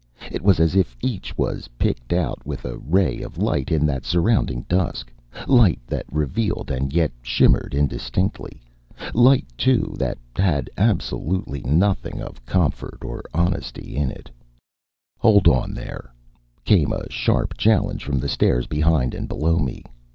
It was as if each was picked out with a ray of light in that surrounding dusk, light that revealed and yet shimmered indistinctly; light, too, that had absolutely nothing of comfort or honesty in it. "Hold on, there!" came a sharp challenge from the stairs behind and below me.